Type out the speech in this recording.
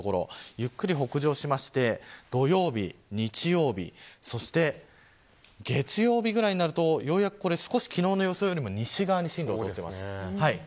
ゆっくり北上しまして土曜日、日曜日そして月曜日くらいになるとようやく昨日の予想よりも西側に進路が動いています。